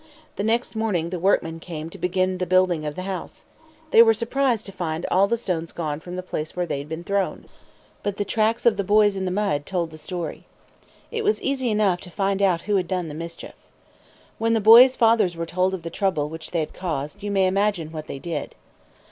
The next morning the workmen came to begin the building of the house. They were surprised to find all the stones gone from the place where they had been thrown. But the tracks of the boys in the mud told the story. It was easy enough to find out who had done the mischief. When the boys' fathers were told of the trouble which they had caused, you may imagine what they did.